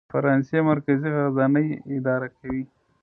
د فرانسې مرکزي خزانه یې اداره کوي.